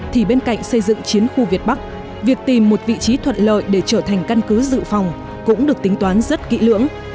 thì bên cạnh xây dựng chiến khu việt bắc việc tìm một vị trí thuận lợi để trở thành căn cứ dự phòng cũng được tính toán rất kỹ lưỡng